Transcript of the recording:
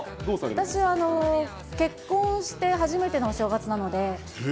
私は結婚して初めてのお正月なので。